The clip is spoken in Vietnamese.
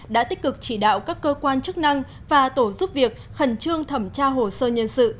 đã tích cực chỉ đạo các cơ quan chức năng và tổ giúp việc khẩn trương thẩm tra hồ sơ nhân sự